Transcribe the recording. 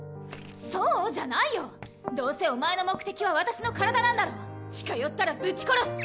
「そう？」じゃどうせお前の目的は私の体なんだろ⁉近寄ったらぶち殺す！